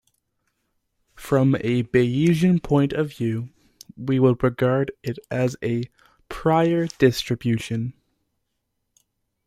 From a Bayesian point of view, we would regard it as a "prior distribution".